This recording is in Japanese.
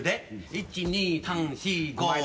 １２３４５６。